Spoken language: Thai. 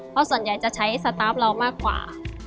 เพราะส่วนใหญ่จะใช้สตาร์ฟเรามากกว่า